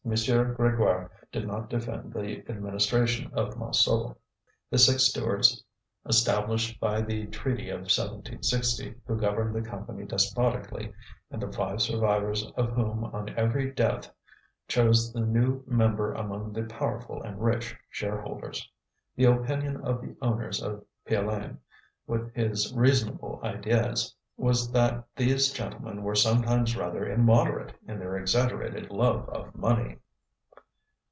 Grégoire did not defend the administration of Montsou the six stewards established by the treaty of 1760, who governed the Company despotically, and the five survivors of whom on every death chose the new member among the powerful and rich shareholders. The opinion of the owner of Piolaine, with his reasonable ideas, was that these gentlemen were sometimes rather immoderate in their exaggerated love of money.